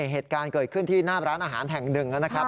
เหตุการณ์เกิดขึ้นที่หน้าร้านอาหารแห่งหนึ่งนะครับ